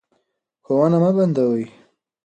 ښوونه مه بندوئ.